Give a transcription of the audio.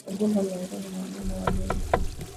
Ugumba miongoni mwa wanyama wa dume